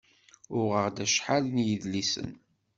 Uɣeɣ-d acḥal n yidlisen.